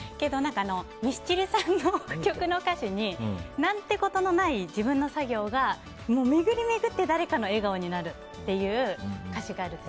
ミスチルさんの曲の歌詞に何て事のない自分の作業が巡り巡って誰かの笑顔になるっていう歌詞があるんです。